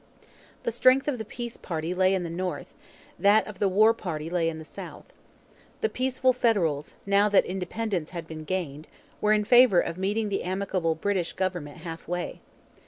The strength of the peace party lay in the North; that of the war party lay in the South. The peaceful Federals, now that Independence had been gained, were in favour of meeting the amicable British government half way.